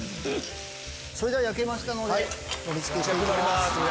それでは焼けましたので盛り付けしていきます。